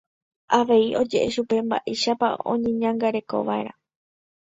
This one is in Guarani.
Avei oje'e chupe mba'éichapa oñeñangarekova'erã.